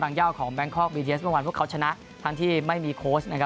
รังเยาะของแบงค์คอคบีทีเอสเมื่อวานเขาชนะทั้งที่ไม่มีโค้ช